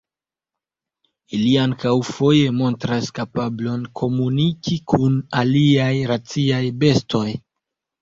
Ili ankaŭ foje montras kapablon komuniki kun aliaj raciaj bestoj.